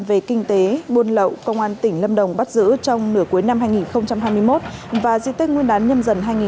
về kinh tế buôn lậu công an tỉnh lâm đồng bắt giữ trong nửa cuối năm hai nghìn hai mươi một